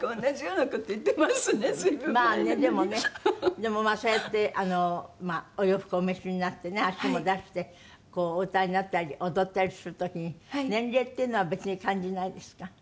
でもまあそうやってあのまあお洋服お召しになってね足も出してこうお歌いになったり踊ったりする時に年齢っていうのは別に感じないですか？